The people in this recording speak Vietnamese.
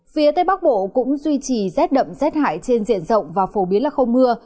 phía tây bắc bộ cũng duy trì rét đậm rét hại trên diện rộng và phổ biến là không mưa